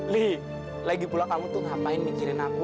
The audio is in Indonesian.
li lagi pula kamu tuh ngapain mikirin aku